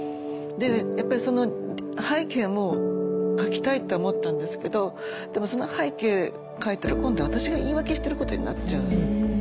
でその背景も書きたいと思ったんですけどでもその背景書いたら今度は私が言い訳してることになっちゃう。